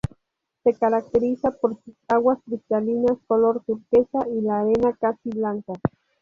Se caracteriza por sus aguas cristalinas color turquesa y la arena casi blanca.